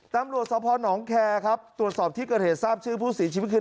ตำรวจซนองแคร์ตรวจสอบที่เกิดเหตุทราบชื่อผู้ศีลชีวิตคือ